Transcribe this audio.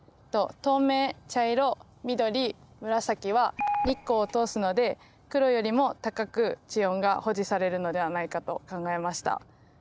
透明茶色緑紫は日光を通すので黒よりも高く地温が保持されるのではないかと考えました。